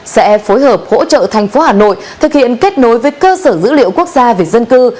sẽ phối hợp hỗ trợ thành phố hà nội thực hiện kết nối với cơ sở dữ liệu quốc gia về dân cư